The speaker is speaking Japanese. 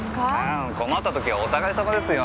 あ困った時はお互い様ですよ。